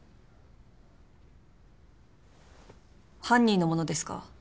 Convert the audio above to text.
犯人のものですか？